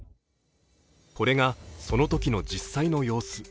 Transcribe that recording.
これが、そのときの実際の様子。